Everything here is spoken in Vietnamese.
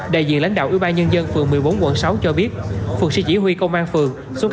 đại diện lãnh đạo ủy ban nhân dân phường một mươi bốn quận sáu cho biết phường sĩ chỉ huy công an phường xuất